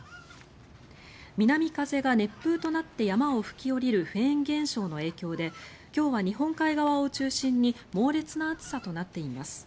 南風が熱風となって山を吹き下りるフェーン現象の影響で今日は日本海側を中心に猛烈な暑さとなっています。